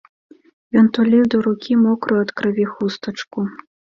Ён туліў да рукі мокрую ад крыві хустачку.